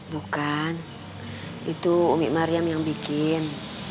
bukan itu umi mariam yang bikin